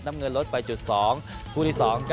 น้ำเงินลดไปจุด๒